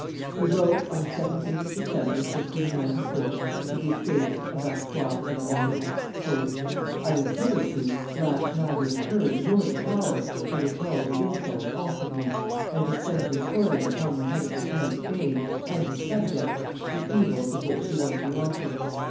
He wrote on the 17th of December, 1594, to the estates of Artois and Hainault, "I have hitherto lacked neither the courage nor the power to repel the insults offered me, and to send recoiling upon the head of the King of Spain and his subjects the evils of which he was the author.